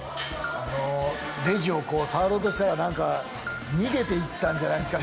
レジを触ろうとしたら逃げて行ったんじゃないですか？